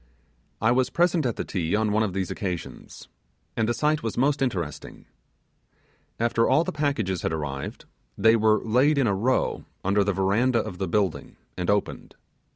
I was present at the Ti on one of these occasions, and the sight was most interesting. After all the packages had arrived, they were laid in a row under the verandah of the building and opened.